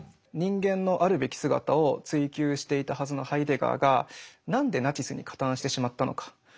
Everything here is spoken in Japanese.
人間のあるべき姿を追究していたはずのハイデガーが何でナチスに加担してしまったのか。